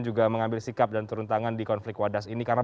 juga mengambil sikap dan turun tangan di konflik wadas ini karena